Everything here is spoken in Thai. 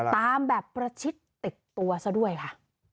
ตามแบบประชิดติดตัวซะด้วยค่ะ